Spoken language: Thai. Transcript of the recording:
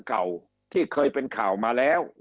คำอภิปรายของสอสอพักเก้าไกลคนหนึ่ง